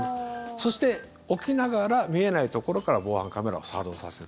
そして、置きながら見えないところから防犯カメラを作動させる。